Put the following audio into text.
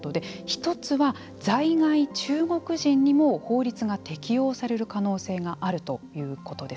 １つは、在外中国人にも法律が適用される可能性があるということです。